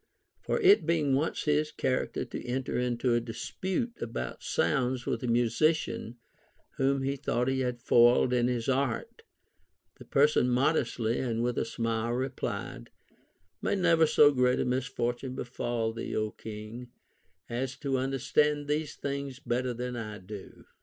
For it being once his chance to enter into a dispute about sounds Avith a musician whom he thought he had foiled in his art, the person modestly and with a smile replied, May never so great a misfortune befall thee, Ο King, as to understand these things better than I do.